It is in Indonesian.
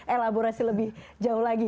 elaborasi lebih jauh lagi